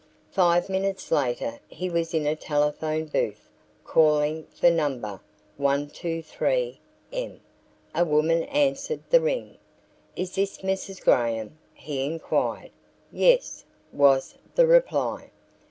Five minutes later he was in a telephone booth calling for No. 123 M. A woman answered the ring. "Is this Mrs. Graham?" he inquired. "Yes," was the reply.